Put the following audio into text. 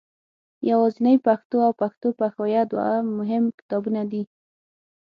یوازنۍ پښتو او پښتو پښویه دوه مهم کتابونه دي.